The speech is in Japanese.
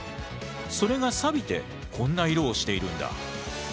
それがさびてこんな色をしているんだ。